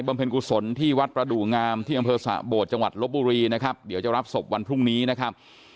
บำเพลินคุณสนที่วัดประดุงามที่อำเภอสระโบดจะรับการรับสบวันพรุ่งนี้นะครับ